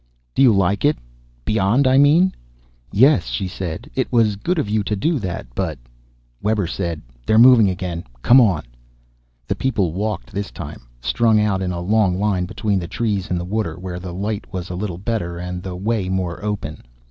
"Do you like it? Beyond, I mean." "Yes," she said. "It was good of you to do that, but " Webber said, "They're moving again. Come on." The people walked this time, strung out in a long line between the trees and the water, where the light was a little better and the way more open.